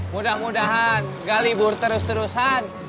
mudah mudahan gak libur terus terusan